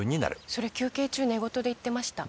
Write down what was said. それ休憩中寝言で言ってました。